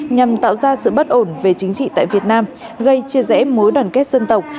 nhằm tạo ra sự bất ổn về chính trị tại việt nam gây chia rẽ mối đoàn kết dân tộc